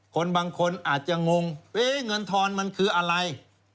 คนบางคนอาจจะงงเงินทอนมันคืออะไร